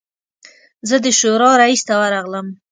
زه د شورا رییس ته ورغلم.